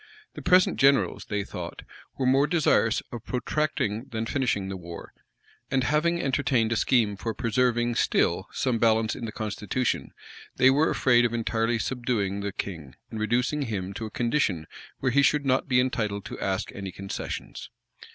The present generals, they thought, were more desirous of protracting than finishing the war; and having entertained a scheme for preserving still some balance in the constitution, they were afraid of entirely subduing the king, and reducing him to a condition where he should not be entitled to ask any concessions.